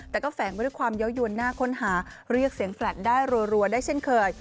แต่ก็แฝงไปด้วยความเยาวยวนน่าค้นหาเรียกเสียงแฟลตได้รัวได้เช่นเคย